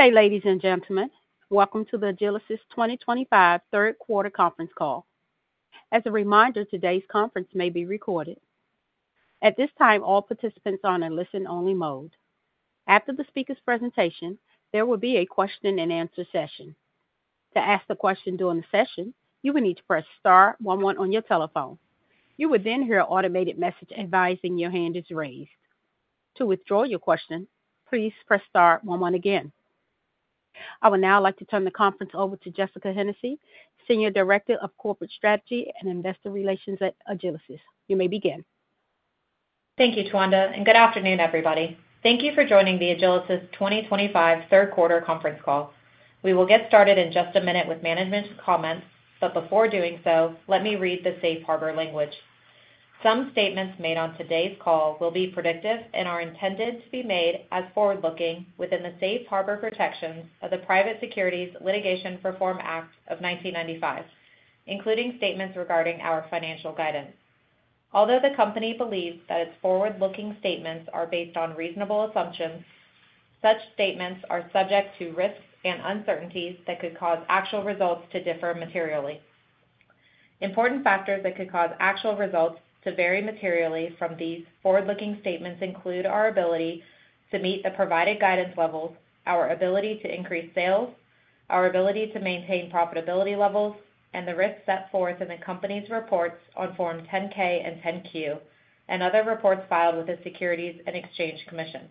Good day, ladies and gentlemen. Welcome to the Agilysys 2025 third quarter conference call. As a reminder, today's conference may be recorded. At this time, all participants are on a listen-only mode. After the speaker's presentation, there will be a question-and-answer session. To ask a question during the session, you will need to press star 11 on your telephone. You will then hear an automated message advising your hand is raised. To withdraw your question, please press star 11 again. I would now like to turn the conference over to Jessica Hennessy, Senior Director of Corporate Strategy and Investor Relations at Agilysys. You may begin. Thank you, Twanda, and good afternoon, everybody. Thank you for joining the Agilysys 2025 third quarter conference call. We will get started in just a minute with management's comments, but before doing so, let me read the Safe Harbor language. Some statements made on today's call will be predictive and are intended to be made as forward-looking within the Safe Harbor protections of the Private Securities Litigation Reform Act of 1995, including statements regarding our financial guidance. Although the company believes that its forward-looking statements are based on reasonable assumptions, such statements are subject to risks and uncertainties that could cause actual results to differ materially. Important factors that could cause actual results to vary materially from these forward-looking statements include our ability to meet the provided guidance levels, our ability to increase sales, our ability to maintain profitability levels, and the risks set forth in the company's reports on Form 10-K and 10-Q, and other reports filed with the Securities and Exchange Commission.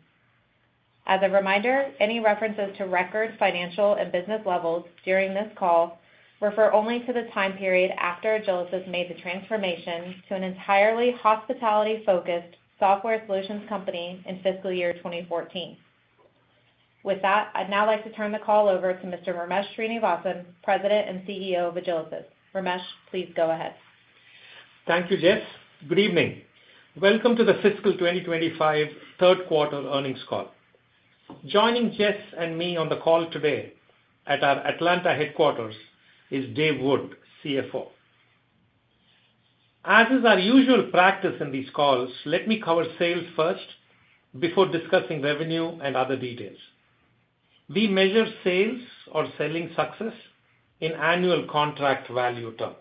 As a reminder, any references to record, financial, and business levels during this call refer only to the time period after Agilysys made the transformation to an entirely hospitality-focused software solutions company in fiscal year 2014. With that, I'd now like to turn the call over to Mr. Ramesh Srinivasan, President and CEO of Agilysys. Ramesh, please go ahead. Thank you, Jess. Good evening. Welcome to the fiscal 2025 third quarter earnings call. Joining Jess and me on the call today at our Atlanta headquarters is Dave Wood, CFO. As is our usual practice in these calls, let me cover sales first before discussing revenue and other details. We measure sales or selling success in annual contract value terms.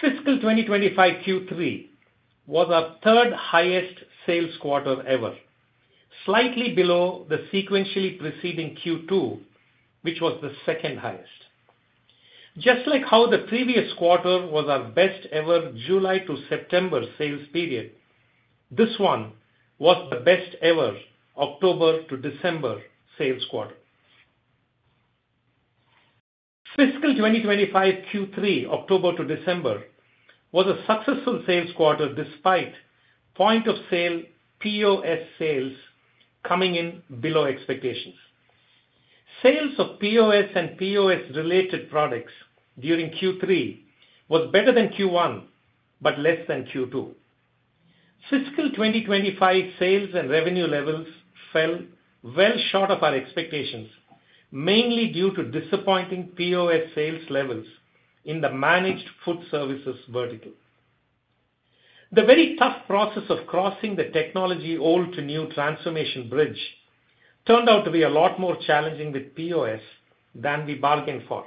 Fiscal 2025 Q3 was our third highest sales quarter ever, slightly below the sequentially preceding Q2, which was the second highest. Just like how the previous quarter was our best-ever July to September sales period, this one was the best-ever October to December sales quarter. Fiscal 2025 Q3, October to December, was a successful sales quarter despite point-of-sale POS sales coming in below expectations. Sales of POS and POS-related products during Q3 was better than Q1, but less than Q2. Fiscal 2025 sales and revenue levels fell well short of our expectations, mainly due to disappointing POS sales levels in the managed food services vertical. The very tough process of crossing the technology-old-to-new transformation bridge turned out to be a lot more challenging with POS than we bargained for.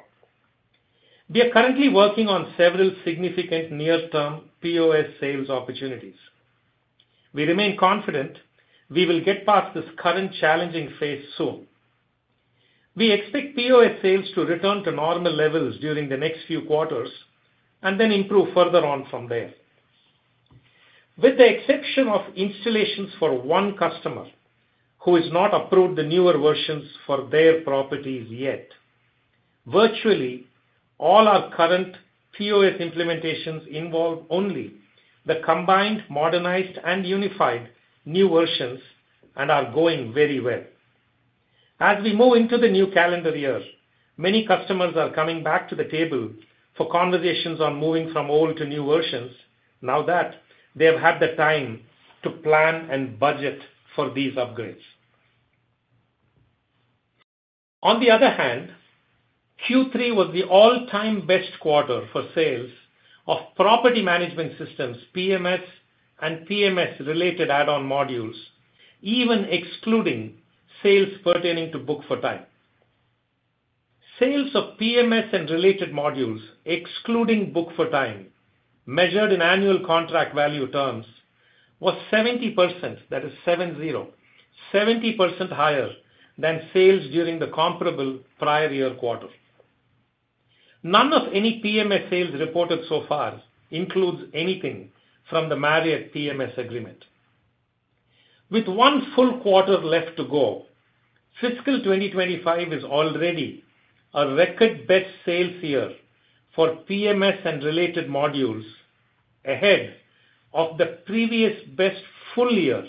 We are currently working on several significant near-term POS sales opportunities. We remain confident we will get past this current challenging phase soon. We expect POS sales to return to normal levels during the next few quarters and then improve further on from there. With the exception of installations for one customer who has not approved the newer versions for their properties yet, virtually all our current POS implementations involve only the combined, modernized, and unified new versions and are going very well. As we move into the new calendar year, many customers are coming back to the table for conversations on moving from old to new versions now that they have had the time to plan and budget for these upgrades. On the other hand, Q3 was the all-time best quarter for sales of property management systems, PMS, and PMS-related add-on modules, even excluding sales pertaining to Book4Time. Sales of PMS and related modules, excluding Book4Time, measured in annual contract value terms, was 70%, that is seven-zero, 70% higher than sales during the comparable prior year quarter. None of any PMS sales reported so far includes anything from the Marriott PMS agreement. With one full quarter left to go, fiscal 2025 is already a record-best sales year for PMS and related modules ahead of the previous best full year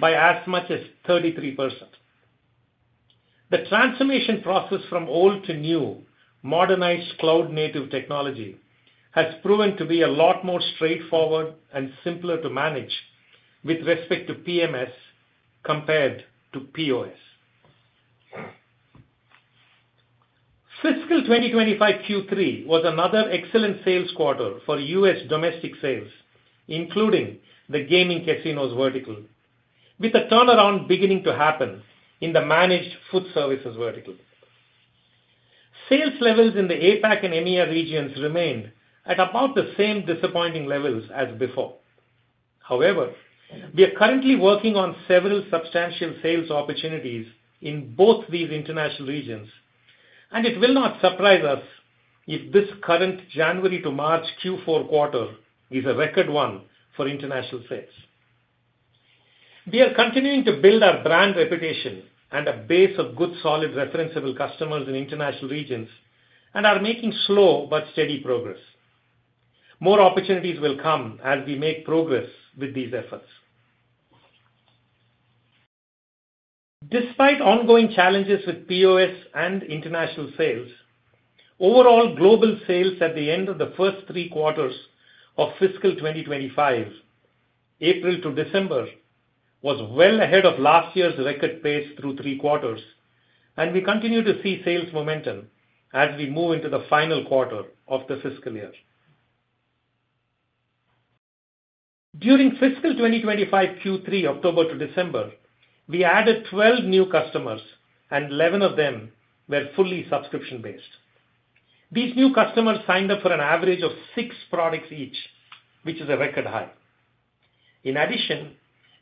by as much as 33%. The transformation process from old to new modernized cloud-native technology has proven to be a lot more straightforward and simpler to manage with respect to PMS compared to POS. Fiscal 2025 Q3 was another excellent sales quarter for U.S. domestic sales, including the gaming casinos vertical, with the turnaround beginning to happen in the managed food services vertical. Sales levels in the APAC and EMEA regions remained at about the same disappointing levels as before. However, we are currently working on several substantial sales opportunities in both these international regions, and it will not surprise us if this current January to March Q4 quarter is a record one for international sales. We are continuing to build our brand reputation and a base of good, solid, referenceable customers in international regions and are making slow but steady progress. More opportunities will come as we make progress with these efforts. Despite ongoing challenges with POS and international sales, overall global sales at the end of the first three quarters of fiscal 2025, April to December, was well ahead of last year's record pace through three quarters, and we continue to see sales momentum as we move into the final quarter of the fiscal year. During fiscal 2025 Q3, October to December, we added 12 new customers, and 11 of them were fully subscription-based. These new customers signed up for an average of six products each, which is a record high. In addition,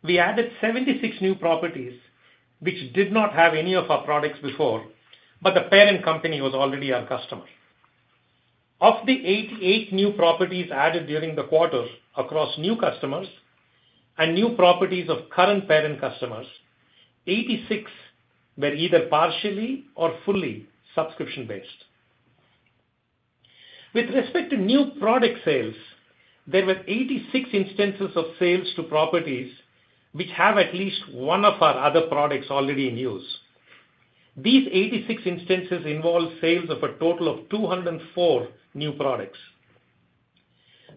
we added 76 new properties which did not have any of our products before, but the parent company was already our customer. Of the 88 new properties added during the quarter across new customers and new properties of current parent customers, 86 were either partially or fully subscription-based. With respect to new product sales, there were 86 instances of sales to properties which have at least one of our other products already in use. These 86 instances involve sales of a total of 204 new products.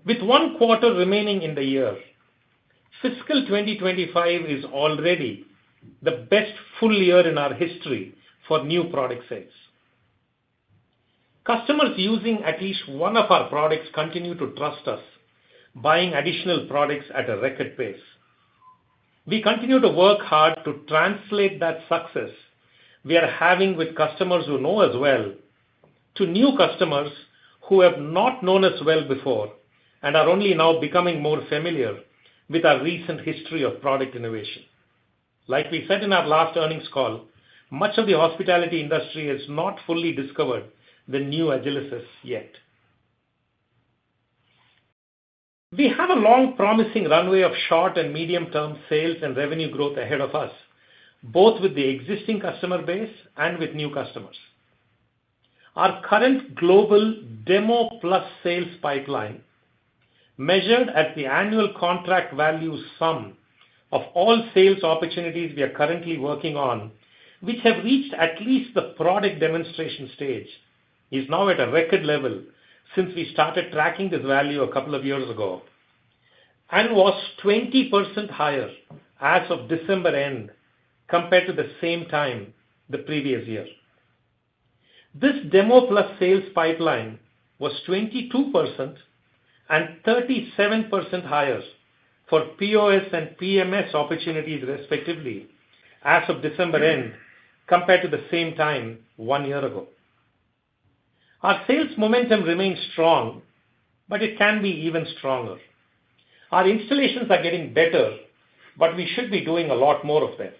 With one quarter remaining in the year, fiscal 2025 is already the best full year in our history for new product sales. Customers using at least one of our products continue to trust us, buying additional products at a record pace. We continue to work hard to translate that success we are having with customers who know us well to new customers who have not known us well before and are only now becoming more familiar with our recent history of product innovation. Like we said in our last earnings call, much of the hospitality industry has not fully discovered the new Agilysys yet. We have a long-promising runway of short and medium-term sales and revenue growth ahead of us, both with the existing customer base and with new customers. Our current global demo-plus sales pipeline, measured at the annual contract value sum of all sales opportunities we are currently working on, which have reached at least the product demonstration stage, is now at a record level since we started tracking this value a couple of years ago and was 20% higher as of December end compared to the same time the previous year. This demo-plus sales pipeline was 22% and 37% higher for POS and PMS opportunities, respectively, as of December end compared to the same time one year ago. Our sales momentum remains strong, but it can be even stronger. Our installations are getting better, but we should be doing a lot more of them.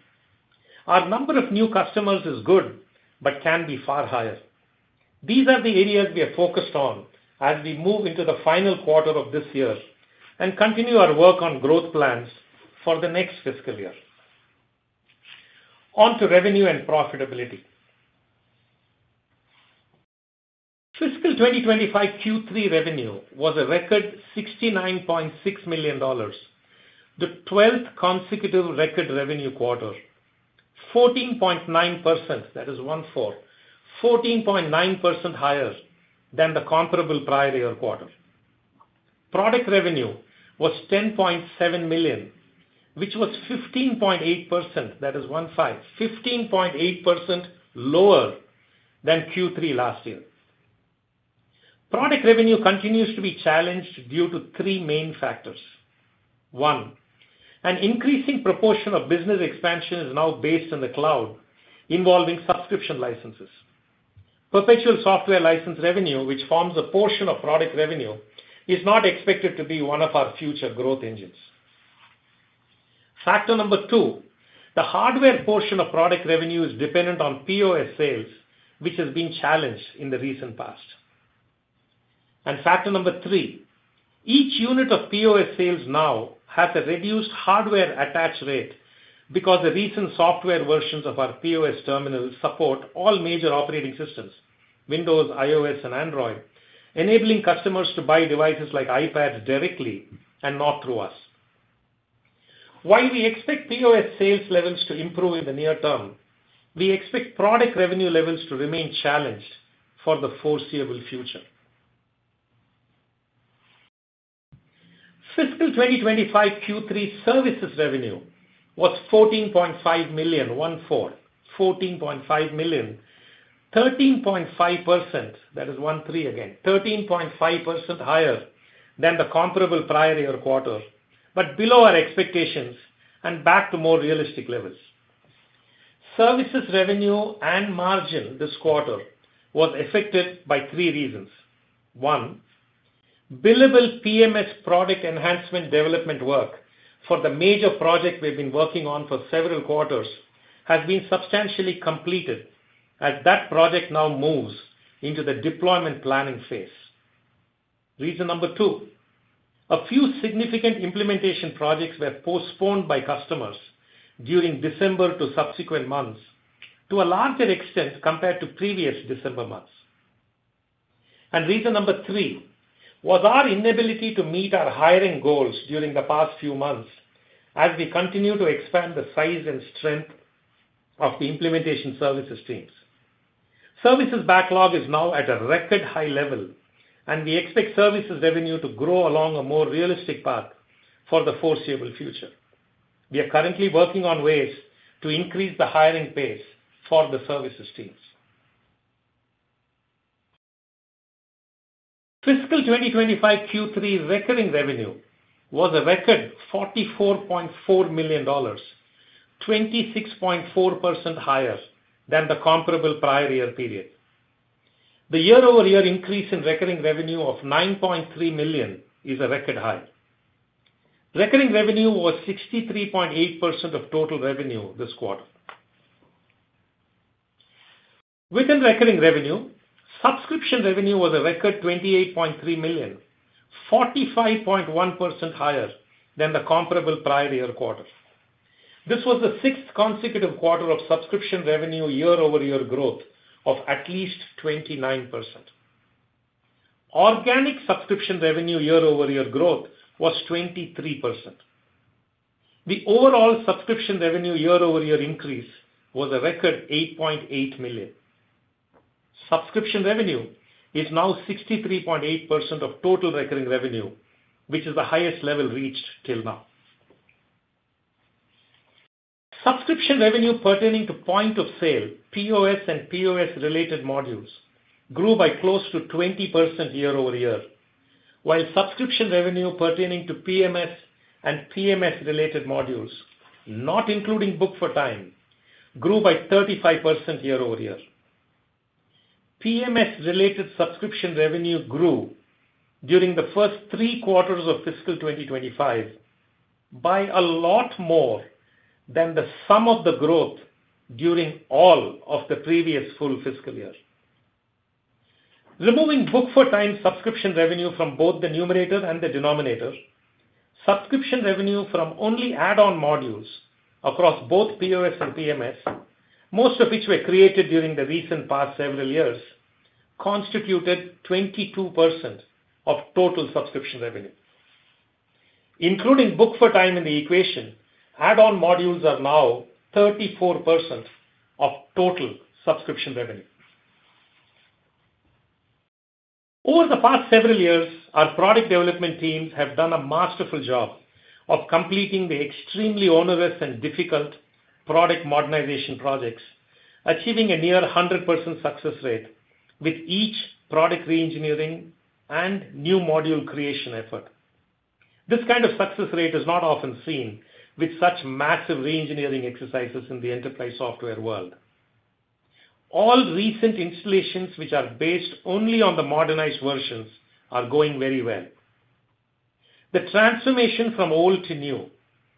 Our number of new customers is good but can be far higher. These are the areas we are focused on as we move into the final quarter of this year and continue our work on growth plans for the next fiscal year. On to revenue and profitability. Fiscal 2025 Q3 revenue was a record $69.6 million, the 12th consecutive record revenue quarter, 14.9%, that is 1/4, 14.9% higher than the comparable prior year quarter. Product revenue was $10.7 million, which was 15.8%, that is 1/5, 15.8% lower than Q3 last year. Product revenue continues to be challenged due to three main factors. One, an increasing proportion of business expansion is now based in the cloud involving subscription licenses. Perpetual software license revenue, which forms a portion of product revenue, is not expected to be one of our future growth engines. Factor number two, the hardware portion of product revenue is dependent on POS sales, which has been challenged in the recent past, and factor number three, each unit of POS sales now has a reduced hardware attach rate because the recent software versions of our POS terminals support all major operating systems, Windows, iOS, and Android, enabling customers to buy devices like iPads directly and not through us. While we expect POS sales levels to improve in the near term, we expect product revenue levels to remain challenged for the foreseeable future. Fiscal 2025 Q3 services revenue was $14.5 million, 1/4, $14.5 million, 13.5%, that is one-three again, 13.5% higher than the comparable prior year quarter, but below our expectations and back to more realistic levels. Services revenue and margin this quarter was affected by three reasons. One, billable PMS product enhancement development work for the major project we've been working on for several quarters has been substantially completed as that project now moves into the deployment planning phase. Reason number two, a few significant implementation projects were postponed by customers during December to subsequent months to a larger extent compared to previous December months, and reason number three was our inability to meet our hiring goals during the past few months as we continue to expand the size and strength of the implementation services teams. Services backlog is now at a record high level, and we expect services revenue to grow along a more realistic path for the foreseeable future. We are currently working on ways to increase the hiring pace for the services teams. Fiscal 2025 Q3 recurring revenue was a record $44.4 million, 26.4% higher than the comparable prior year period. The year-over-year increase in recurring revenue of $9.3 million is a record high. Recurring revenue was 63.8% of total revenue this quarter. Within recurring revenue, subscription revenue was a record $28.3 million, 45.1% higher than the comparable prior year quarter. This was the sixth consecutive quarter of subscription revenue year-over-year growth of at least 29%. Organic subscription revenue year-over-year growth was 23%. The overall subscription revenue year-over-year increase was a record $8.8 million. Subscription revenue is now 63.8% of total recurring revenue, which is the highest level reached till now. Subscription revenue pertaining to Point of Sale, POS, and POS-related modules grew by close to 20% year-over-year, while subscription revenue pertaining to PMS and PMS-related modules, not including Book4Time, grew by 35% year-over-year. PMS-related subscription revenue grew during the first three quarters of fiscal 2025 by a lot more than the sum of the growth during all of the previous full fiscal year. Removing Book4Time subscription revenue from both the numerator and the denominator, subscription revenue from only add-on modules across both POS and PMS, most of which were created during the recent past several years, constituted 22% of total subscription revenue. Including Book4Time in the equation, add-on modules are now 34% of total subscription revenue. Over the past several years, our product development teams have done a masterful job of completing the extremely onerous and difficult product modernization projects, achieving a near 100% success rate with each product re-engineering and new module creation effort. This kind of success rate is not often seen with such massive re-engineering exercises in the enterprise software world. All recent installations, which are based only on the modernized versions, are going very well. The transformation from old to new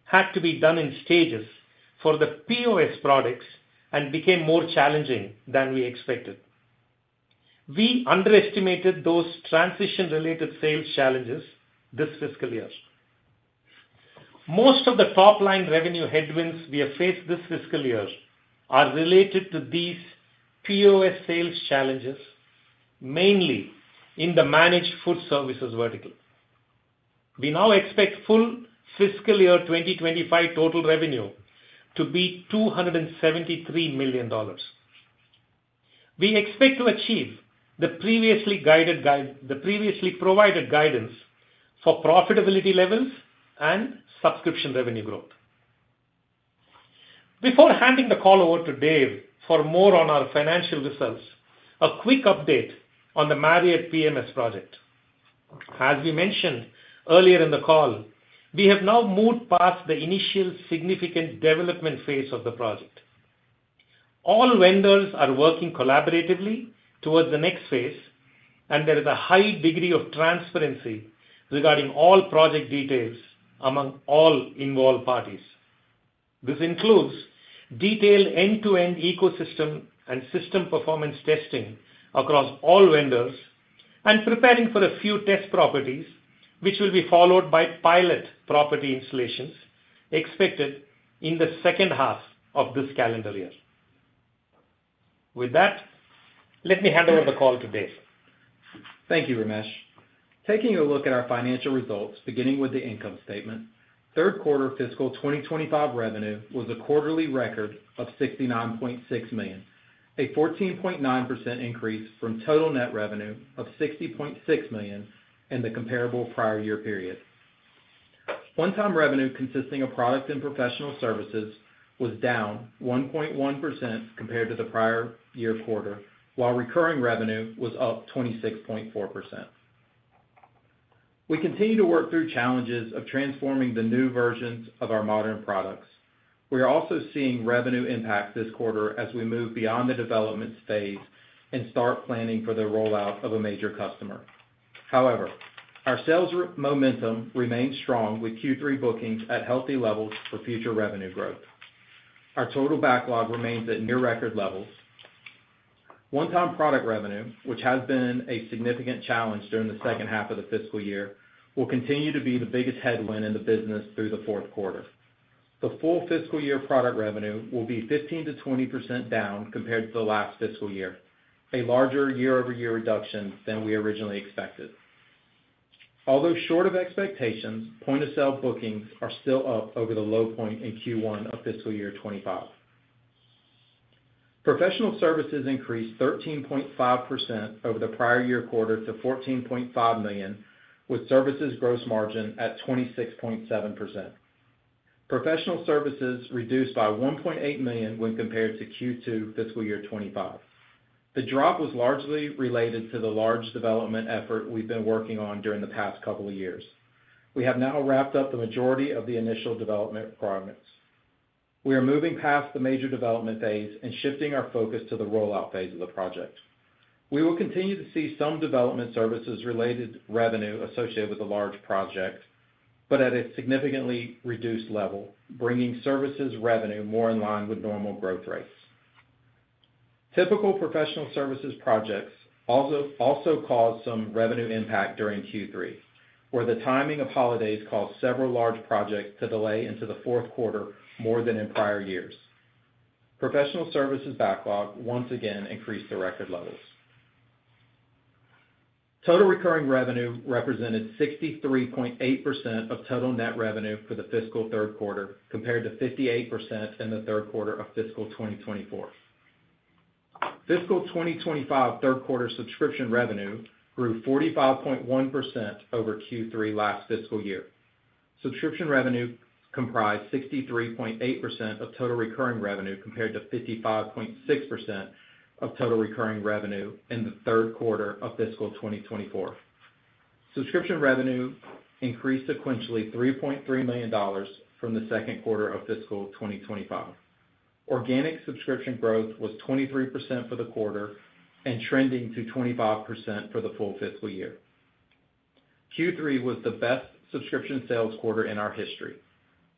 had to be done in stages for the POS products and became more challenging than we expected. We underestimated those transition-related sales challenges this fiscal year. Most of the top-line revenue headwinds we have faced this fiscal year are related to these POS sales challenges, mainly in the managed food services vertical. We now expect full fiscal year 2025 total revenue to be $273 million. We expect to achieve the previously provided guidance for profitability levels and subscription revenue growth. Before handing the call over to Dave for more on our financial results, a quick update on the Marriott PMS project. As we mentioned earlier in the call, we have now moved past the initial significant development phase of the project. All vendors are working collaboratively towards the next phase, and there is a high degree of transparency regarding all project details among all involved parties. This includes detailed end-to-end ecosystem and system performance testing across all vendors and preparing for a few test properties, which will be followed by pilot property installations expected in the second half of this calendar year. With that, let me hand over the call to Dave. Thank you, Ramesh. Taking a look at our financial results, beginning with the income statement, third quarter fiscal 2025 revenue was a quarterly record of $69.6 million, a 14.9% increase from total net revenue of $60.6 million in the comparable prior year period. One-time revenue consisting of product and Professional Servicess was down 1.1% compared to the prior year quarter, while recurring revenue was up 26.4%. We continue to work through challenges of transforming the new versions of our modern products. We are also seeing revenue impact this quarter as we move beyond the development phase and start planning for the rollout of a major customer. However, our sales momentum remains strong with Q3 bookings at healthy levels for future revenue growth. Our total backlog remains at near-record levels. One-time product revenue, which has been a significant challenge during the second half of the fiscal year, will continue to be the biggest headwind in the business through the fourth quarter. The full fiscal year product revenue will be 15%-20% down compared to the last fiscal year, a larger year-over-year reduction than we originally expected. Although short of expectations, Point of Sale bookings are still up over the low point in Q1 of fiscal year 2025. Professional Servicess increased 13.5% over the prior year quarter to $14.5 million, with services gross margin at 26.7%. Professional Servicess reduced by $1.8 million when compared to Q2 fiscal year 2025. The drop was largely related to the large development effort we've been working on during the past couple of years. We have now wrapped up the majority of the initial development requirements. We are moving past the major development phase and shifting our focus to the rollout phase of the project. We will continue to see some development services-related revenue associated with the large project, but at a significantly reduced level, bringing services revenue more in line with normal growth rates. Typical Professional Servicess projects also cause some revenue impact during Q3, where the timing of holidays caused several large projects to delay into the fourth quarter more than in prior years. Professional Servicess backlog once again increased to record levels. Total recurring revenue represented 63.8% of total net revenue for the fiscal third quarter compared to 58% in the third quarter of fiscal 2024. Fiscal 2025 third quarter subscription revenue grew 45.1% over Q3 last fiscal year. Subscription revenue comprised 63.8% of total recurring revenue compared to 55.6% of total recurring revenue in the third quarter of fiscal 2024. Subscription revenue increased sequentially $3.3 million from the second quarter of fiscal 2025. Organic subscription growth was 23% for the quarter and trending to 25% for the full fiscal year. Q3 was the best subscription sales quarter in our history.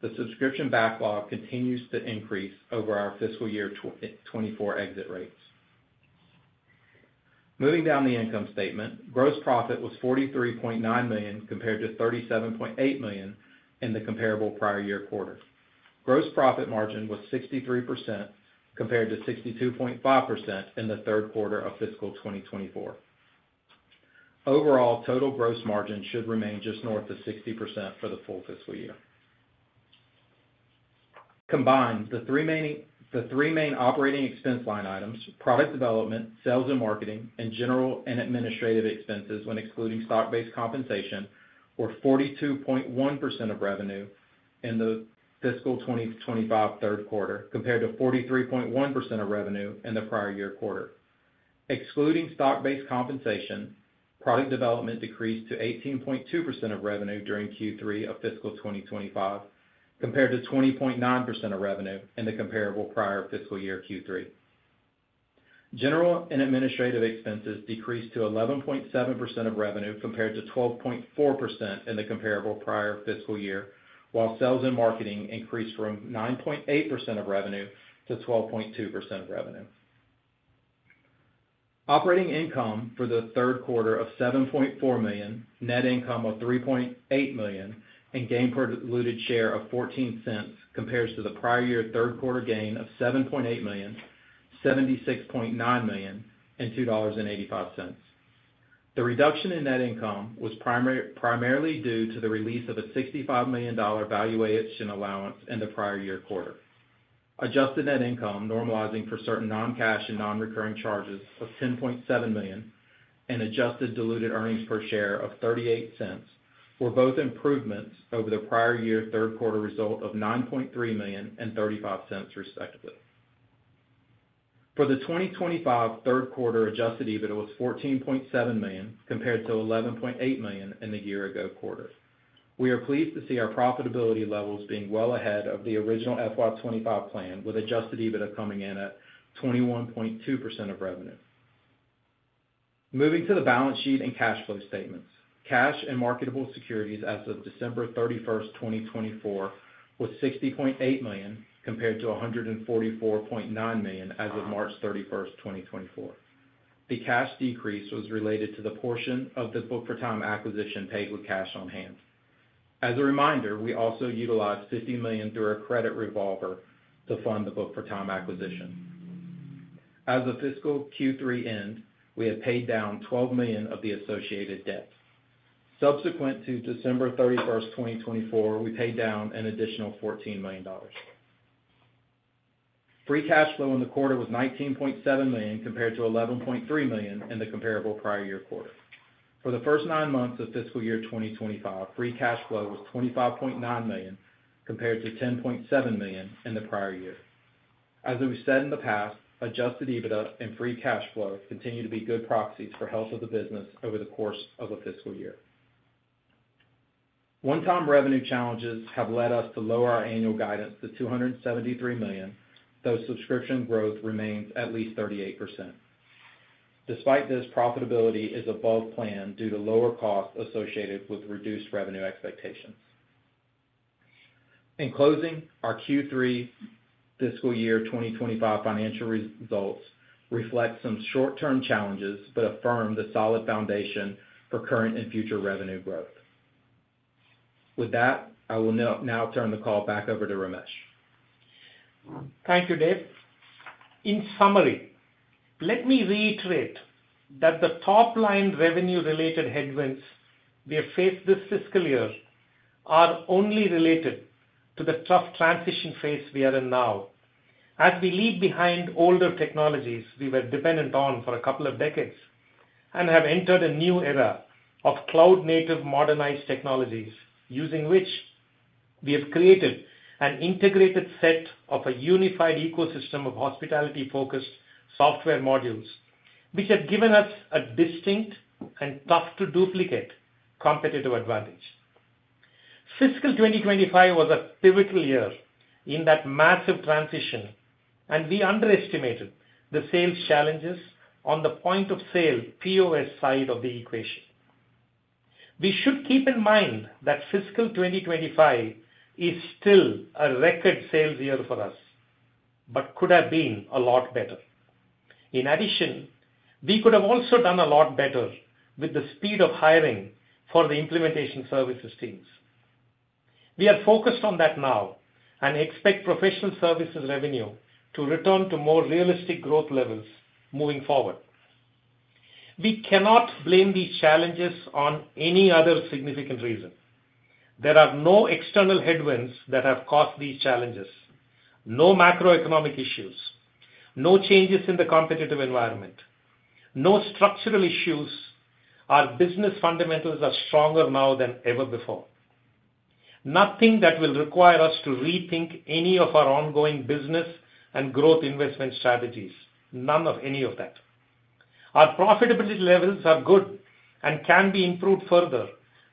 The subscription backlog continues to increase over our fiscal year 2024 exit rates. Moving down the income statement, gross profit was $43.9 million compared to $37.8 million in the comparable prior year quarter. Gross profit margin was 63% compared to 62.5% in the third quarter of fiscal 2024. Overall, total gross margin should remain just north of 60% for the full fiscal year. Combined, the three main operating expense line items, product development, sales and marketing, and general and administrative expenses when excluding stock-based compensation were 42.1% of revenue in the fiscal 2025 third quarter compared to 43.1% of revenue in the prior year quarter. Excluding stock-based compensation, product development decreased to 18.2% of revenue during Q3 of fiscal 2025 compared to 20.9% of revenue in the comparable prior fiscal year Q3. General and administrative expenses decreased to 11.7% of revenue compared to 12.4% in the comparable prior fiscal year, while sales and marketing increased from 9.8% of revenue to 12.2% of revenue. Operating income for the third quarter of $7.4 million, net income of $3.8 million, and earnings per diluted share of $0.14 compares to the prior year third quarter earnings of $7.8 million, $76.9 million, and $2.85. The reduction in net income was primarily due to the release of a $65 million valuation allowance in the prior year quarter. Adjusted net income, normalizing for certain non-cash and non-recurring charges of $10.7 million and adjusted diluted earnings per share of $0.38, were both improvements over the prior year third quarter result of $9.3 million and $0.35 respectively. For the 2025 third quarter, Adjusted EBITDA was $14.7 million compared to $11.8 million in the year ago quarter. We are pleased to see our profitability levels being well ahead of the original FY 2025 plan, with Adjusted EBITDA coming in at 21.2% of revenue. Moving to the balance sheet and cash flow statements, cash and marketable securities as of December 31st, 2024, were $60.8 million compared to $144.9 million as of March 31st, 2024. The cash decrease was related to the portion of the Book4Time acquisition paid with cash on hand. As a reminder, we also utilized $50 million through a credit revolver to fund the Book4Time acquisition. As the fiscal Q3 ended, we had paid down $12 million of the associated debt. Subsequent to December 31st, 2024, we paid down an additional $14 million. Free cash flow in the quarter was $19.7 million compared to $11.3 million in the comparable prior year quarter. For the first nine months of fiscal year 2025, free cash flow was $25.9 million compared to $10.7 million in the prior year. As we've said in the past, Adjusted EBITDA and Free Cash Flow continue to be good proxies for health of the business over the course of the fiscal year. One-time revenue challenges have led us to lower our annual guidance to $273 million, though subscription growth remains at least 38%. Despite this, profitability is above plan due to lower costs associated with reduced revenue expectations. In closing, our Q3 fiscal year 2025 financial results reflect some short-term challenges but affirm the solid foundation for current and future revenue growth. With that, I will now turn the call back over to Ramesh. Thank you, Dave. In summary, let me reiterate that the top-line revenue-related headwinds we have faced this fiscal year are only related to the tough transition phase we are in now. As we leave behind older technologies we were dependent on for a couple of decades and have entered a new era of cloud-native modernized technologies, using which we have created an integrated set of a unified ecosystem of hospitality-focused software modules, which have given us a distinct and tough-to-duplicate competitive advantage. Fiscal 2025 was a pivotal year in that massive transition, and we underestimated the sales challenges on the Point of Sale POS side of the equation. We should keep in mind that fiscal 2025 is still a record sales year for us, but could have been a lot better. In addition, we could have also done a lot better with the speed of hiring for the implementation services teams. We are focused on that now and expect Professional Services revenue to return to more realistic growth levels moving forward. We cannot blame these challenges on any other significant reason. There are no external headwinds that have caused these challenges, no macroeconomic issues, no changes in the competitive environment, no structural issues, our business fundamentals are stronger now than ever before. Nothing that will require us to rethink any of our ongoing business and growth investment strategies, none of any of that. Our profitability levels are good and can be improved further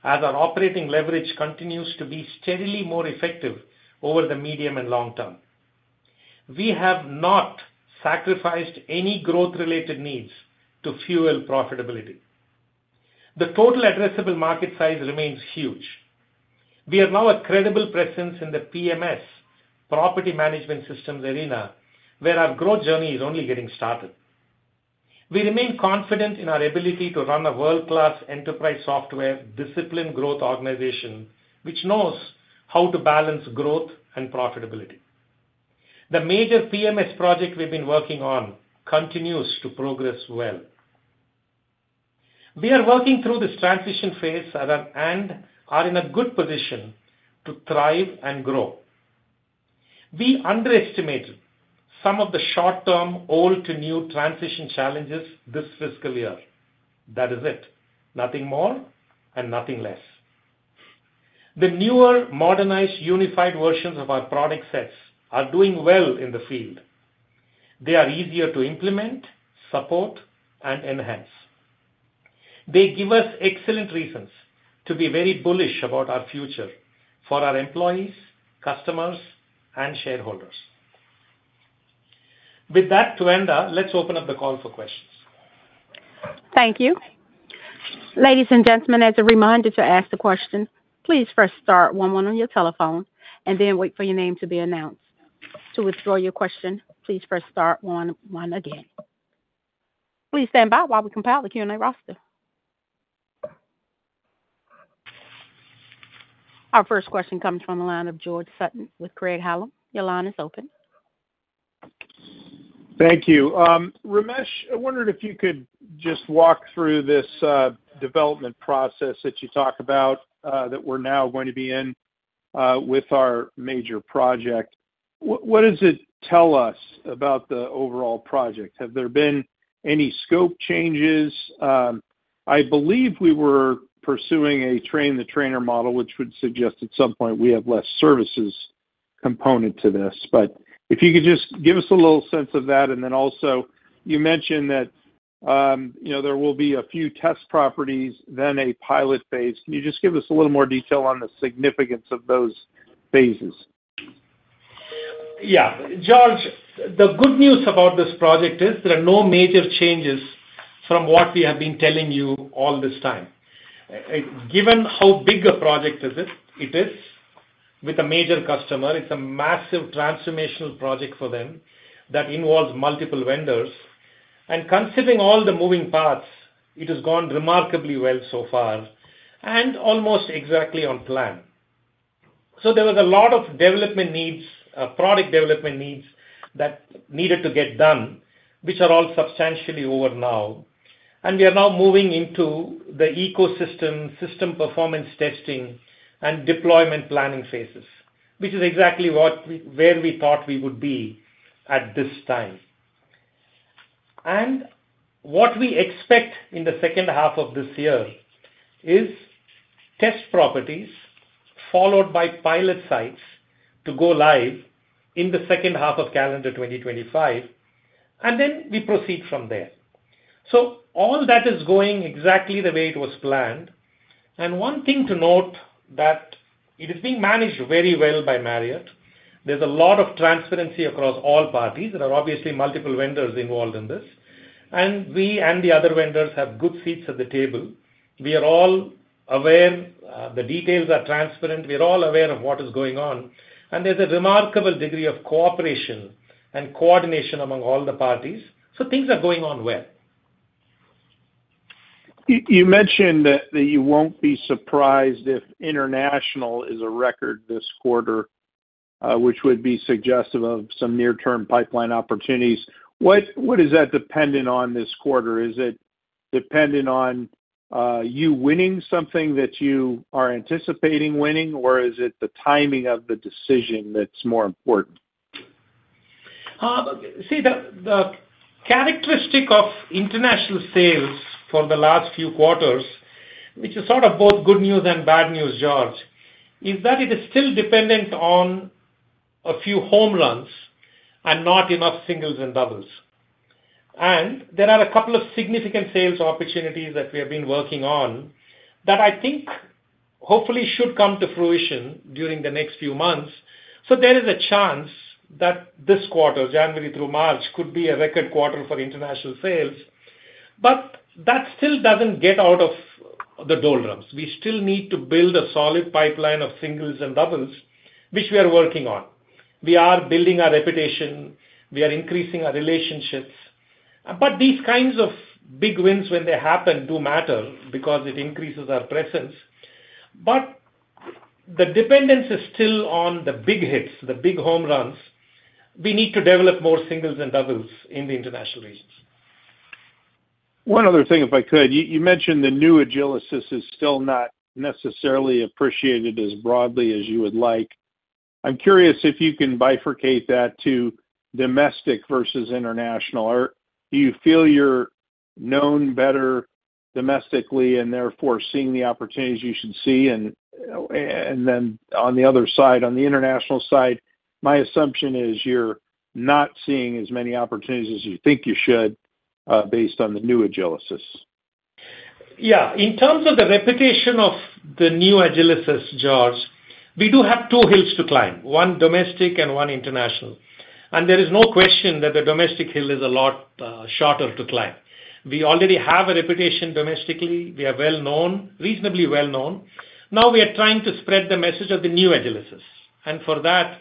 as our operating leverage continues to be steadily more effective over the medium and long term. We have not sacrificed any growth-related needs to fuel profitability. The total addressable market size remains huge. We are now a credible presence in the PMS property management systems arena, where our growth journey is only getting started. We remain confident in our ability to run a world-class enterprise software discipline growth organization, which knows how to balance growth and profitability. The major PMS project we've been working on continues to progress well. We are working through this transition phase and are in a good position to thrive and grow. We underestimated some of the short-term old-to-new transition challenges this fiscal year. That is it. Nothing more and nothing less. The newer modernized unified versions of our product sets are doing well in the field. They are easier to implement, support, and enhance. They give us excellent reasons to be very bullish about our future for our employees, customers, and shareholders. With that to end, let's open up the call for questions. Thank you. Ladies and gentlemen, as a reminder to ask the question, please first start one-one on your telephone and then wait for your name to be announced. To withdraw your question, please first start one-one again. Please stand by while we compile the Q&A roster. Our first question comes from the line of George Sutton with Craig-Hallum. Your line is open. Thank you. Ramesh, I wondered if you could just walk through this development process that you talk about that we're now going to be in with our major project. What does it tell us about the overall project? Have there been any scope changes? I believe we were pursuing a train-the-trainer model, which would suggest at some point we have less services component to this. But if you could just give us a little sense of that. And then also, you mentioned that there will be a few test properties, then a pilot phase. Can you just give us a little more detail on the significance of those phases? Yeah. George, the good news about this project is there are no major changes from what we have been telling you all this time. Given how big a project it is with a major customer, it's a massive transformational project for them that involves multiple vendors, and considering all the moving parts, it has gone remarkably well so far and almost exactly on plan, so there was a lot of development needs, product development needs that needed to get done, which are all substantially over now, and we are now moving into the ecosystem system performance testing and deployment planning phases, which is exactly where we thought we would be at this time, and what we expect in the second half of this year is test properties followed by pilot sites to go live in the second half of calendar 2025, and then we proceed from there, so all that is going exactly the way it was planned, and one thing to note that it is being managed very well by Marriott. There's a lot of transparency across all parties. There are obviously multiple vendors involved in this. And we and the other vendors have good seats at the table. We are all aware. The details are transparent. We are all aware of what is going on. And there's a remarkable degree of cooperation and coordination among all the parties. So things are going on well. You mentioned that you won't be surprised if international is a record this quarter, which would be suggestive of some near-term pipeline opportunities. What is that dependent on this quarter? Is it dependent on you winning something that you are anticipating winning, or is it the timing of the decision that's more important? See, the characteristic of international sales for the last few quarters, which is sort of both good news and bad news, George, is that it is still dependent on a few home runs and not enough singles and doubles. And there are a couple of significant sales opportunities that we have been working on that I think hopefully should come to fruition during the next few months. So there is a chance that this quarter, January through March, could be a record quarter for international sales. But that still doesn't get out of the doldrums. We still need to build a solid pipeline of singles and doubles, which we are working on. We are building our reputation. We are increasing our relationships. But these kinds of big wins when they happen do matter because it increases our presence. But the dependence is still on the big hits, the big home runs. We need to develop more singles and doubles in the international regions. One other thing, if I could. You mentioned the new Agilysys is still not necessarily appreciated as broadly as you would like. I'm curious if you can bifurcate that to domestic versus international. Do you feel you're known better domestically and therefore seeing the opportunities you should see? And then on the other side, on the international side, my assumption is you're not seeing as many opportunities as you think you should based on the new Agilysys. Yeah. In terms of the reputation of the new Agilysys, George, we do have two hills to climb, one domestic and one international. And there is no question that the domestic hill is a lot shorter to climb. We already have a reputation domestically. We are well-known, reasonably well-known. Now we are trying to spread the message of the new Agilysys. And for that,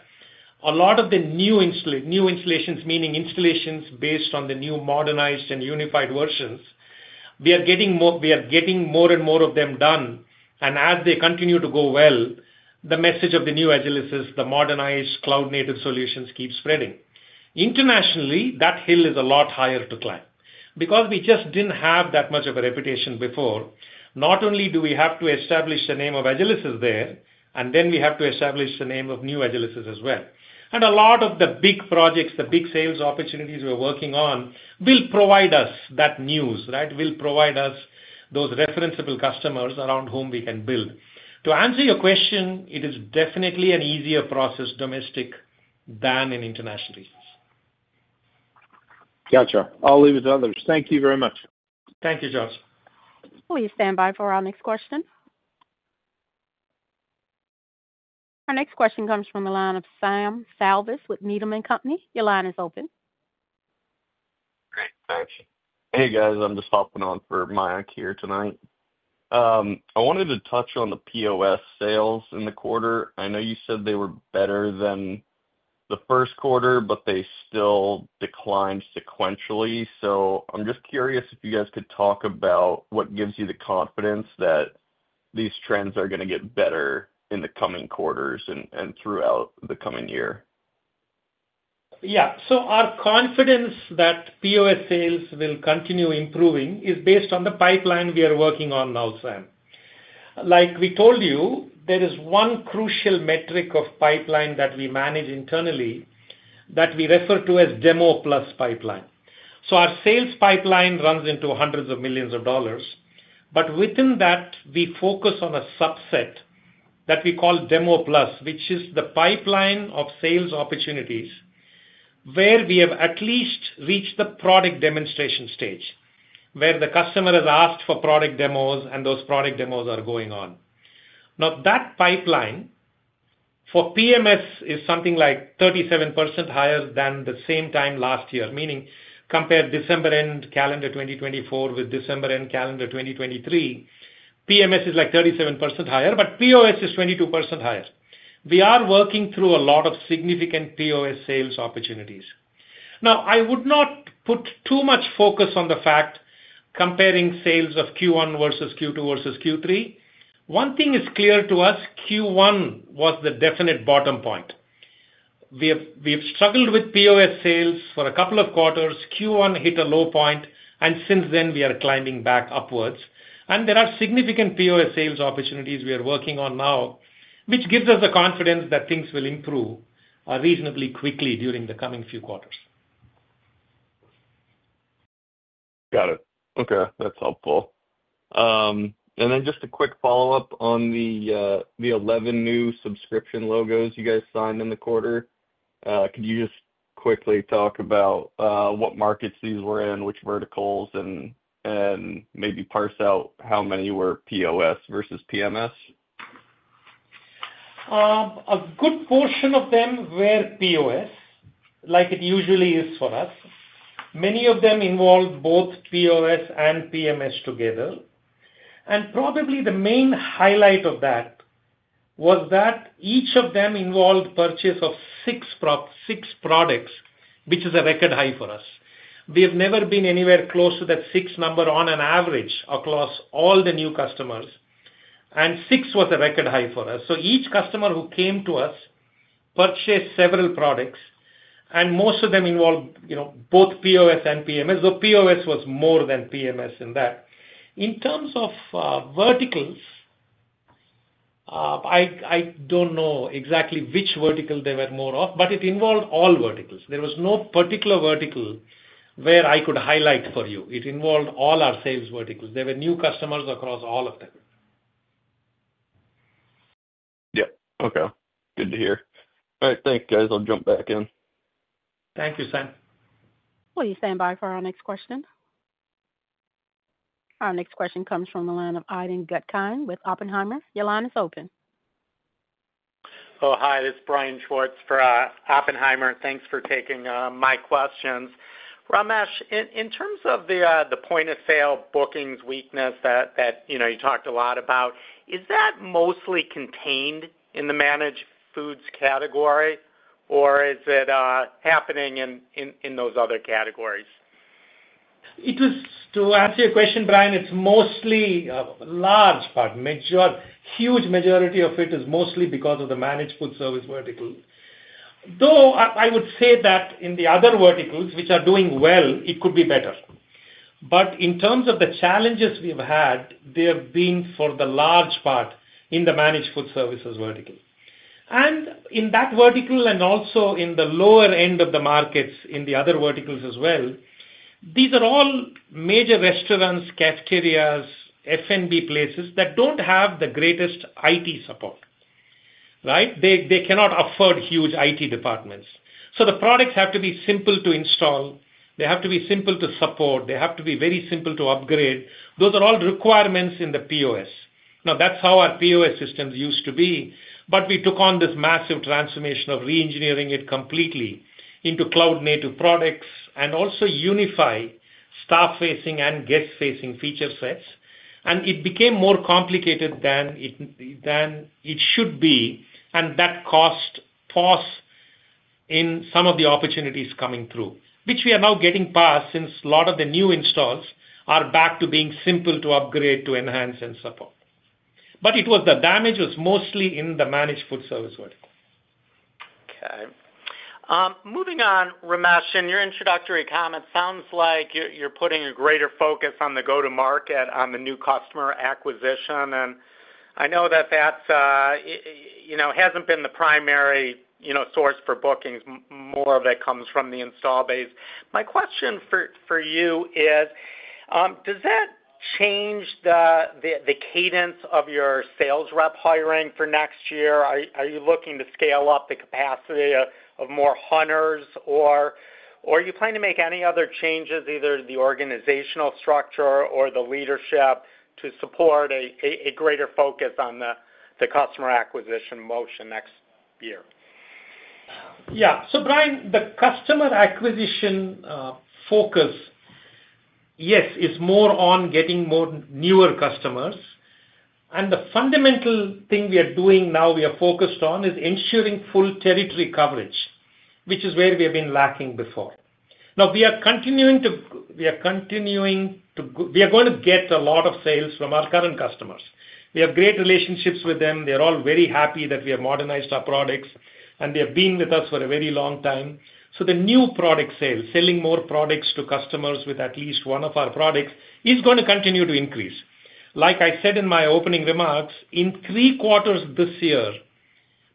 a lot of the new installations, meaning installations based on the new modernized and unified versions, we are getting more and more of them done. And as they continue to go well, the message of the new Agilysys, the modernized cloud-native solutions keep spreading. Internationally, that hill is a lot higher to climb because we just didn't have that much of a reputation before. Not only do we have to establish the name of Agilysys there, and then we have to establish the name of new Agilysys as well. And a lot of the big projects, the big sales opportunities we're working on will provide us that news, right? Will provide us those referenceable customers around whom we can build. To answer your question, it is definitely an easier process domestic than in international. Gotcha. I'll leave it to others. Thank you very much. Thank you, George. Please stand by for our next question. Our next question comes from the line of Sam Salvas with Needham & Company. Your line is open. Great. Thanks. Hey, guys. I'm just hopping on for my Q&A tonight. I wanted to touch on the POS sales in the quarter. I know you said they were better than the first quarter, but they still declined sequentially. So I'm just curious if you guys could talk about what gives you the confidence that these trends are going to get better in the coming quarters and throughout the coming year. Yeah. So our confidence that POS sales will continue improving is based on the pipeline we are working on now, Sam. Like we told you, there is one crucial metric of pipeline that we manage internally that we refer to as demo plus pipeline, so our sales pipeline runs into hundreds of millions of dollars. But within that, we focus on a subset that we call demo plus, which is the pipeline of sales opportunities where we have at least reached the product demonstration stage where the customer has asked for product demos, and those product demos are going on. Now, that pipeline for PMS is something like 37% higher than the same time last year, meaning compare December end calendar 2024 with December end calendar 2023. PMS is like 37% higher, but POS is 22% higher. We are working through a lot of significant POS sales opportunities. Now, I would not put too much focus on the fact comparing sales of Q1 versus Q2 versus Q3. One thing is clear to us: Q1 was the definite bottom point. We have struggled with POS sales for a couple of quarters. Q1 hit a low point, and since then, we are climbing back upwards. And there are significant POS sales opportunities we are working on now, which gives us the confidence that things will improve reasonably quickly during the coming few quarters. Got it. Okay. That's helpful. And then just a quick follow-up on the 11 new subscription logos you guys signed in the quarter. Could you just quickly talk about what markets these were in, which verticals, and maybe parse out how many were POS versus PMS? A good portion of them were POS, like it usually is for us. Many of them involved both POS and PMS together. And probably the main highlight of that was that each of them involved purchase of six products, which is a record high for us. We have never been anywhere close to that six number on an average across all the new customers. And six was a record high for us. So each customer who came to us purchased several products, and most of them involved both POS and PMS. So POS was more than PMS in that. In terms of verticals, I don't know exactly which vertical they were more of, but it involved all verticals. There was no particular vertical where I could highlight for you. It involved all our sales verticals. There were new customers across all of them. Yeah. Okay. Good to hear. All right. Thanks, guys. I'll jump back in. Thank you, Sam. Please stand by for our next question. Our next question comes from the line of Brian Schwartz with Oppenheimer. Your line is open. Oh, hi. This is Brian Schwartz for Oppenheimer. Thanks for taking my questions. Ramesh, in terms of the Point of Sale bookings weakness that you talked a lot about, is that mostly contained in the managed food services category, or is it happening in those other categories? To answer your question, Brian, it's mostly a large part. Huge majority of it is mostly because of the managed food services vertical. Though I would say that in the other verticals which are doing well, it could be better. But in terms of the challenges we've had, they have been for the large part in the managed food services vertical. And in that vertical and also in the lower end of the markets in the other verticals as well, these are all major restaurants, cafeterias, F&B places that don't have the greatest IT support, right? They cannot afford huge IT departments. So the products have to be simple to install. They have to be simple to support. They have to be very simple to upgrade. Those are all requirements in the POS. Now, that's how our POS systems used to be. But we took on this massive transformation of re-engineering it completely into cloud-native products and also unify staff-facing and guest-facing feature sets. And it became more complicated than it should be. And that cost us some of the opportunities coming through, which we are now getting past since a lot of the new installs are back to being simple to upgrade, to enhance, and support. But the damage was mostly in the managed food service vertical. Okay. Moving on, Ramesh, in your introductory comments, it sounds like you're putting a greater focus on the go-to-market, on the new customer acquisition. And I know that that hasn't been the primary source for bookings. More of that comes from the install base. My question for you is, does that change the cadence of your sales rep hiring for next year? Are you looking to scale up the capacity of more hunters, or are you planning to make any other changes, either to the organizational structure or the leadership, to support a greater focus on the customer acquisition motion next year? Yeah. So, Brian, the customer acquisition focus, yes, is more on getting more newer customers. The fundamental thing we are doing now, we are focused on, is ensuring full territory coverage, which is where we have been lacking before. Now, we are continuing to get a lot of sales from our current customers. We have great relationships with them. They're all very happy that we have modernized our products, and they have been with us for a very long time. The new product sales, selling more products to customers with at least one of our products, is going to continue to increase. Like I said in my opening remarks, in three quarters this year,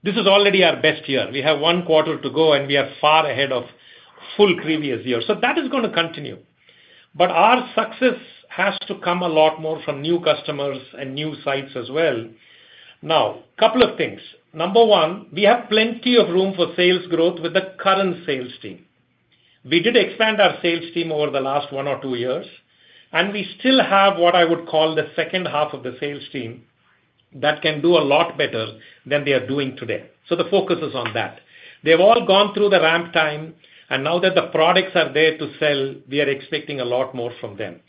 this is already our best year. We have one quarter to go, and we are far ahead of the full previous year. That is going to continue. But our success has to come a lot more from new customers and new sites as well. Now, a couple of things. Number one, we have plenty of room for sales growth with the current sales team. We did expand our sales team over the last one or two years, and we still have what I would call the second half of the sales team that can do a lot better than they are doing today. So the focus is on that. They've all gone through the ramp time, and now that the products are there to sell, we are expecting a lot more from them.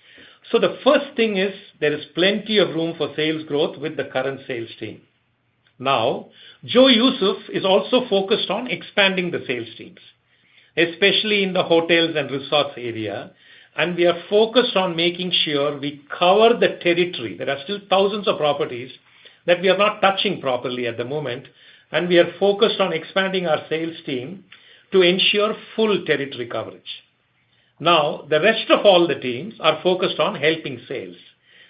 So the first thing is there is plenty of room for sales growth with the current sales team. Now, Joe Youssef is also focused on expanding the sales teams, especially in the hotels and resorts area. We are focused on making sure we cover the territory. There are still thousands of properties that we are not touching properly at the moment. We are focused on expanding our sales team to ensure full territory coverage. Now, the rest of all the teams are focused on helping sales.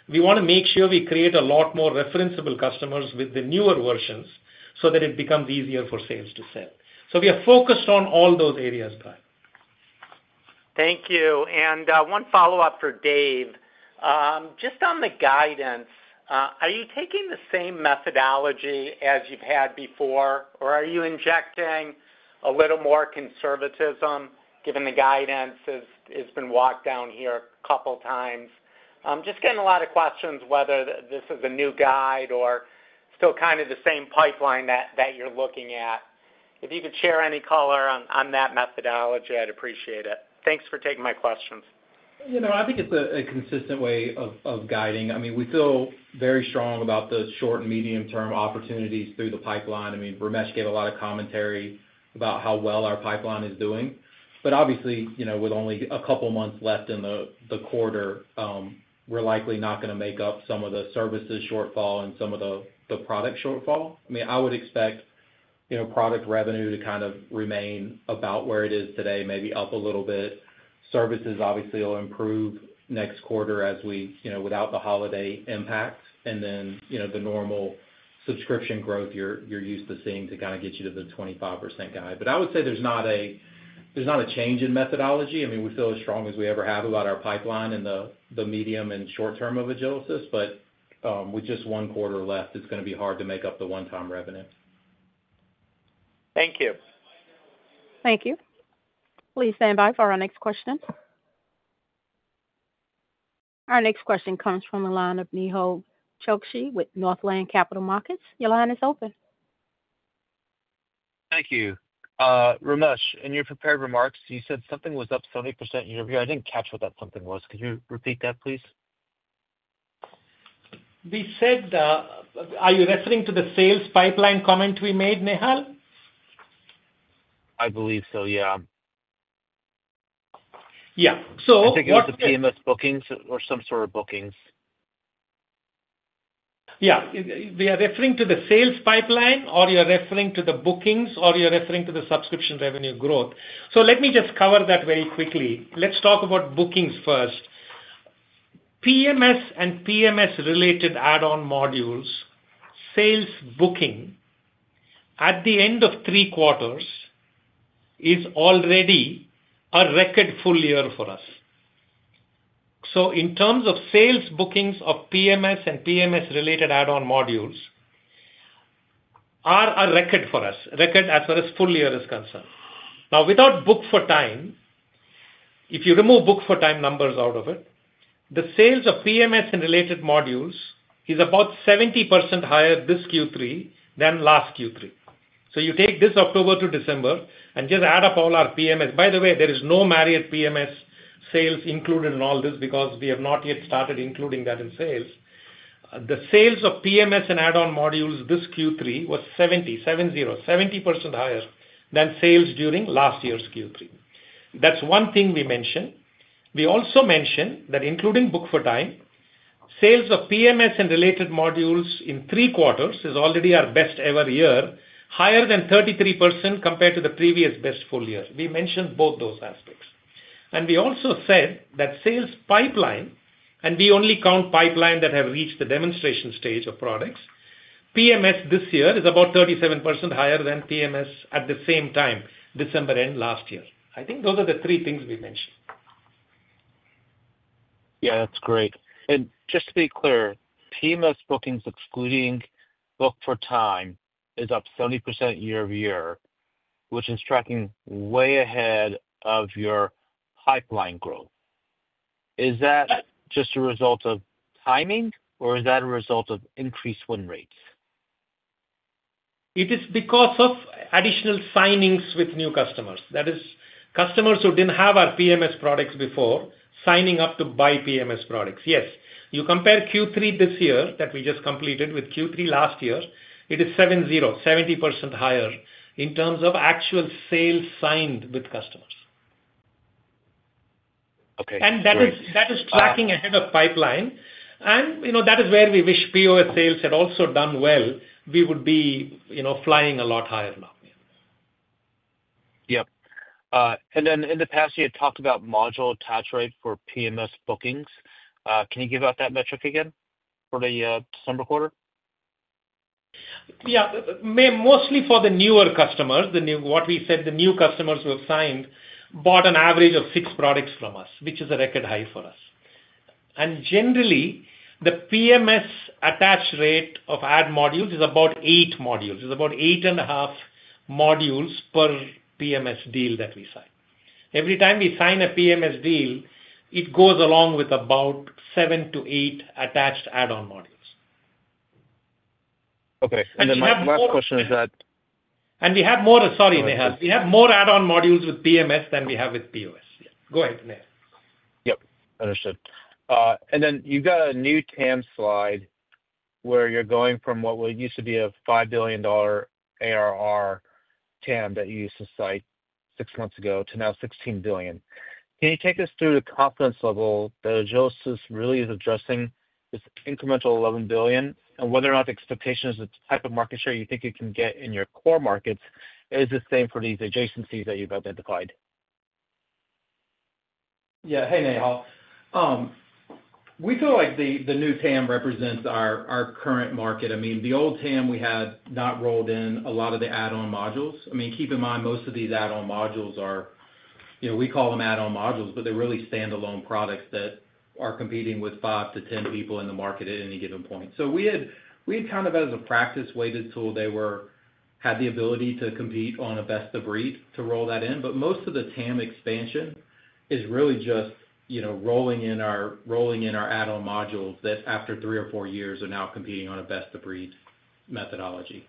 We want to make sure we create a lot more referenceable customers with the newer versions so that it becomes easier for sales to sell. We are focused on all those areas, Brian. Thank you. One follow-up for Dave. Just on the guidance, are you taking the same methodology as you've had before, or are you injecting a little more conservatism given the guidance has been walked down here a couple of times? I'm just getting a lot of questions whether this is a new guide or still kind of the same pipeline that you're looking at. If you could share any color on that methodology, I'd appreciate it. Thanks for taking my questions. I think it's a consistent way of guiding. I mean, we feel very strong about the short and medium-term opportunities through the pipeline. I mean, Ramesh gave a lot of commentary about how well our pipeline is doing. But obviously, with only a couple of months left in the quarter, we're likely not going to make up some of the services shortfall and some of the product shortfall. I mean, I would expect product revenue to kind of remain about where it is today, maybe up a little bit. Services, obviously, will improve next quarter without the holiday impact and then the normal subscription growth you're used to seeing to kind of get you to the 25% guide. But I would say there's not a change in methodology. I mean, we feel as strong as we ever have about our pipeline in the medium and short-term of Agilysys. But with just one quarter left, it's going to be hard to make up the one-time revenue. Thank you. Thank you. Please stand by for our next question. Our next question comes from the line of Nehal Chokshi with Northland Capital Markets. Your line is open. Thank you. Ramesh, in your prepared remarks, you said something was up 70% in your view. I didn't catch what that something was. Could you repeat that, please? Are you referring to the sales pipeline comment we made, Nehal? I believe so, yeah. Yeah. So what? I think it was the PMS bookings or some sort of bookings. Yeah. We are referring to the sales pipeline, or you're referring to the bookings, or you're referring to the subscription revenue growth. So let me just cover that very quickly. Let's talk about bookings first. PMS and PMS-related add-on modules sales bookings at the end of three quarters is already a record full year for us. So in terms of sales bookings of PMS and PMS-related add-on modules are a record for us, record as far as full year is concerned. Now, without Book4Time, if you remove Book4Time numbers out of it, the sales of PMS-related modules is about 70% higher this Q3 than last Q3. So you take this October to December and just add up all our PMS. By the way, there is no Marriott PMS sales included in all this because we have not yet started including that in sales. The sales of PMS and add-on modules this Q3 was 70% higher than sales during last year's Q3. That's one thing we mentioned. We also mentioned that including Book4Time, sales of PMS-related modules in three quarters is already our best ever year, higher than 33% compared to the previous best full year. We mentioned both those aspects. And we also said that sales pipeline, and we only count pipeline that have reached the demonstration stage of products, PMS this year is about 37% higher than PMS at the same time, December and last year. I think those are the three things we mentioned. Yeah, that's great. Just to be clear, PMS bookings excluding Book4Time is up 70% year over year, which is tracking way ahead of your pipeline growth. Is that just a result of timing, or is that a result of increased win rates? It is because of additional signings with new customers. That is, customers who didn't have our PMS products before signing up to buy PMS products. Yes. You compare Q3 this year that we just completed with Q3 last year, it is 70, 70% higher in terms of actual sales signed with customers. That is tracking ahead of pipeline. That is where we wish POS sales had also done well. We would be flying a lot higher now. Yep. Then in the past, you had talked about module attach rate for PMS bookings. Can you give out that metric again for the December quarter? Yeah. Mostly for the newer customers, what we said, the new customers who have signed bought an average of six products from us, which is a record high for us. And generally, the PMS attach rate of add modules is about eight modules. It's about eight and a half modules per PMS deal that we sign. Every time we sign a PMS deal, it goes along with about seven to eight attached add-on modules. Okay. And then my last question is that. And we have more. Sorry, Nehal. We have more add-on modules with PMS than we have with POS. Go ahead, Nehal. Yep. Understood. And then you've got a new TAM slide where you're going from what used to be a $5 billion ARR TAM that you used to cite six months ago to now $16 billion. Can you take us through the confidence level that Agilysys really is addressing this incremental $11 billion and whether or not the expectation is the type of market share you think you can get in your core markets is the same for these adjacencies that you've identified? Yeah. Hey, Nehal. We feel like the new TAM represents our current market. I mean, the old TAM we had not rolled in a lot of the add-on modules. I mean, keep in mind, most of these add-on modules are; we call them add-on modules, but they're really standalone products that are competing with 5 to 10 people in the market at any given point. So we had kind of, as a practice weighted tool, they had the ability to compete on a best-of-breed to roll that in. But most of the TAM expansion is really just rolling in our add-on modules that, after three or four years, are now competing on a best-of-breed methodology.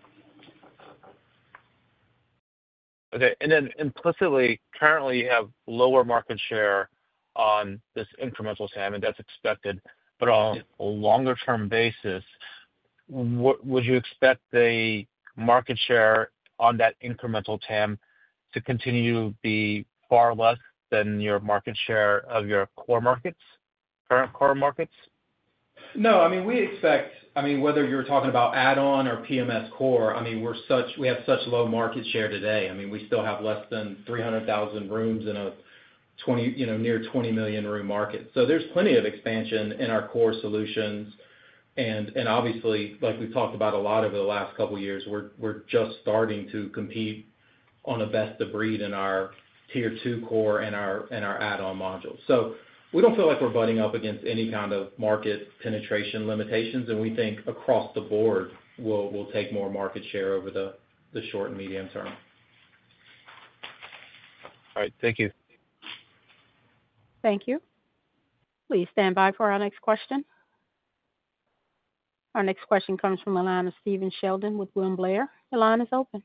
Okay. And then implicitly, currently, you have lower market share on this incremental TAM, and that's expected. But on a longer-term basis, would you expect the market share on that incremental TAM to continue to be far less than your market share of your core markets, current core markets? No. I mean, we expect, I mean, whether you're talking about add-on or PMS core, I mean, we have such low market share today. I mean, we still have less than 300,000 rooms in a near 20-million-room market. So there's plenty of expansion in our core solutions. And obviously, like we've talked about a lot over the last couple of years, we're just starting to compete on a best-of-breed in our tier two core and our add-on modules. So we don't feel like we're butting up against any kind of market penetration limitations. And we think, across the board, we'll take more market share over the short and medium term. All right. Thank you. Thank you. Please stand by for our next question. Our next question comes from the line of Steven Sheldon with William Blair. The line is open.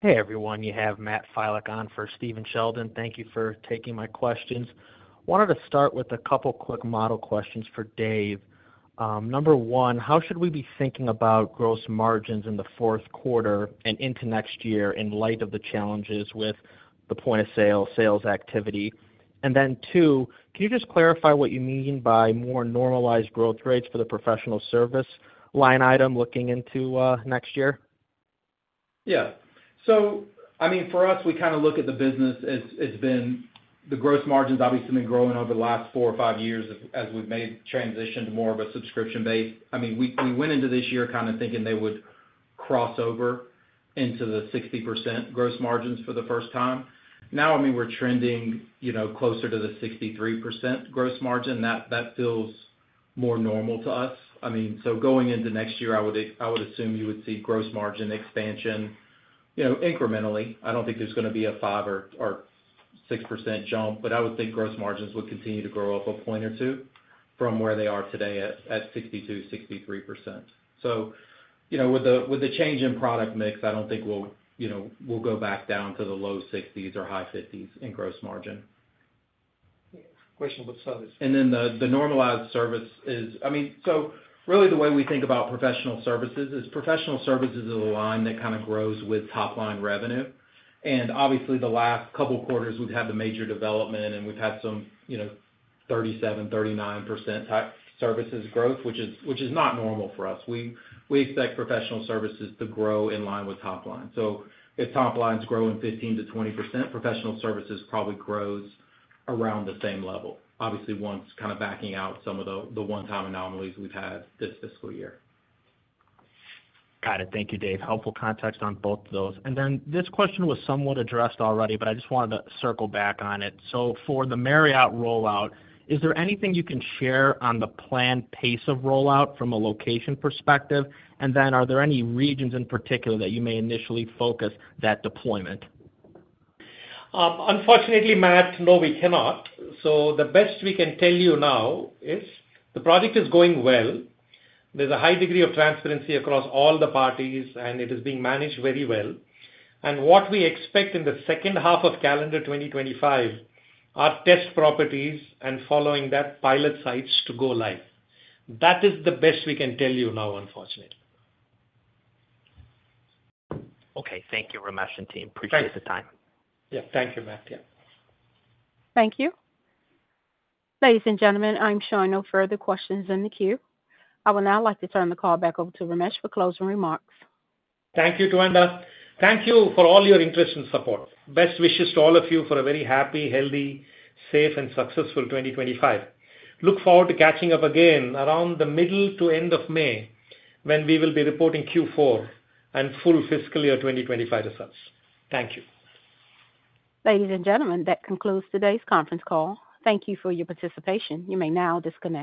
Hey, everyone. You have Matt Filek for Steven Sheldon. Thank you for taking my questions. Wanted to start with a couple of quick model questions for Dave. Number one, how should we be thinking about gross margins in the fourth quarter and into next year in light of the challenges with the Point of Sale, sales activity? And then two, can you just clarify what you mean by more normalized growth rates for the Professional Services line item looking into next year? Yeah. So I mean, for us, we kind of look at the business as it's been, the gross margins obviously have been growing over the last four or five years as we've made transition to more of a subscription-based. I mean, we went into this year kind of thinking they would cross over into the 60% gross margins for the first time. Now, I mean, we're trending closer to the 63% gross margin. That feels more normal to us. I mean, so going into next year, I would assume you would see gross margin expansion incrementally. I don't think there's going to be a 5% or 6% jump, but I would think gross margins would continue to grow up a point or two from where they are today at 62%-63%. So with the change in product mix, I don't think we'll go back down to the low 60s or high 50s in gross margin. Question about service. And then the normalized service is, I mean, so really, the way we think about Professional Servicess is Professional Servicess is a line that kind of grows with top-line revenue. And obviously, the last couple of quarters, we've had the major development, and we've had some 37%-39% type services growth, which is not normal for us. We expect Professional Servicess to grow in line with top line. So if top lines grow 15%-20%, Professional Servicess probably grows around the same level, obviously once kind of backing out some of the one-time anomalies we've had this fiscal year. Got it. Thank you, Dave. Helpful context on both of those. And then this question was somewhat addressed already, but I just wanted to circle back on it. So for the Marriott rollout, is there anything you can share on the planned pace of rollout from a location perspective? And then are there any regions in particular that you may initially focus that deployment? Unfortunately, Matt, no, we cannot. So the best we can tell you now is the project is going well. There's a high degree of transparency across all the parties, and it is being managed very well. And what we expect in the second half of calendar 2025 are test properties and following that pilot sites to go live. That is the best we can tell you now, unfortunately. Okay. Thank you, Ramesh and team. Appreciate the time. Yeah. Thank you, Matt. Yeah. Thank you. Ladies and gentlemen, I'm showing no further questions in the queue. I would now like to turn the call back over to Ramesh for closing remarks. Thank you, Twanda. Thank you for all your interest and support. Best wishes to all of you for a very happy, healthy, safe, and successful 2025. Look forward to catching up again around the middle to end of May when we will be reporting Q4 and full fiscal year 2025 results. Thank you. Ladies and gentlemen, that concludes today's conference call. Thank you for your participation. You may now disconnect.